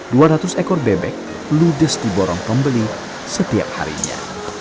dua ratus ekor bebek ludes di borong pembeli setiap harinya